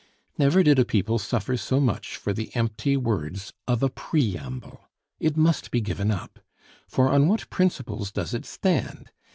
Never did a people suffer so much for the empty words of a preamble. It must be given up. For on what principles does it stand?